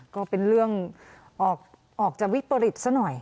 ก็เป็นเรื่องออกจะวิปริตซะหน่อย